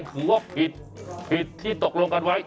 ถือว่าผิดผิดที่ตกลงกันไว้